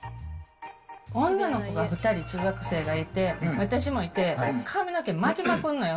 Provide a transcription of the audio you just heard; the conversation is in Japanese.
女の子が２人、中学生がいて、私もいて、髪の毛、巻きまくんのよ。